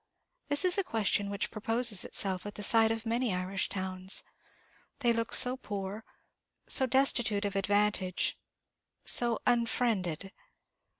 This is a question which proposes itself at the sight of many Irish towns; they look so poor, so destitute of advantage, so unfriended.